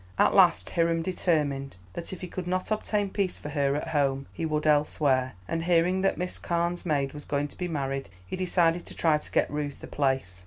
At last Hiram determined that if he could not obtain peace for her at home he would elsewhere, and hearing that Miss Carne's maid was going to be married he decided to try to get Ruth the place.